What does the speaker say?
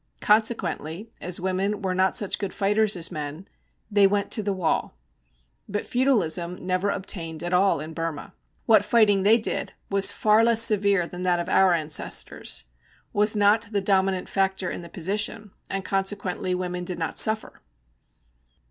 Consequently, as women were not such good fighters as men, they went to the wall. But feudalism never obtained at all in Burma. What fighting they did was far less severe than that of our ancestors, was not the dominant factor in the position, and consequently woman did not suffer.